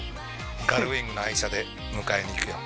ガルウィングの愛車で迎えに行くよ。